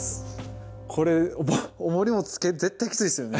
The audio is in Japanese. これおもりもつけ絶対キツイですよね。